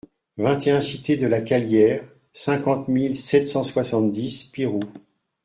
vingt et un cité de la Calière, cinquante mille sept cent soixante-dix Pirou